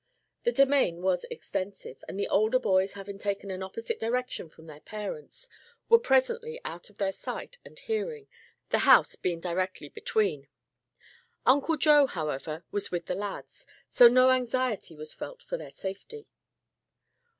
The domain was extensive, and the older boys having taken an opposite direction from their parents, were presently out of their sight and hearing, the house being directly between. Uncle Joe, however, was with the lads, so no anxiety was felt for their safety.